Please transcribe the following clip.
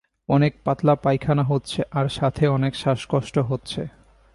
অনেক পাতলা পায়খানা হচ্ছে আর সাথে অনেক শ্বাস কষ্ট হচ্ছে।